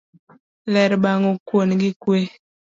Ber bang'o kuon gi kwe.